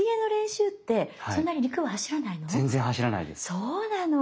そうなの。